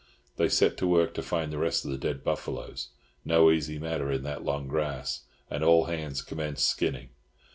They set to work to find the rest of the dead buffaloes—no easy matter in that long grass—and all hands commenced skinning.